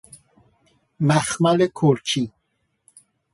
مخمل کرکی